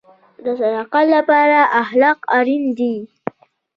د صداقت لپاره اخلاق اړین دي